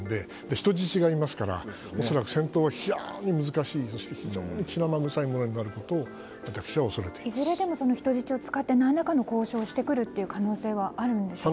人質がいますからおそらく戦闘は非常に難しい血なまぐさいものになるんじゃないかといずれでも人質を使って何らかの交渉をしてくる可能性はあるんでしょうか。